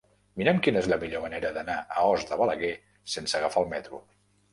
Mira'm quina és la millor manera d'anar a Os de Balaguer sense agafar el metro.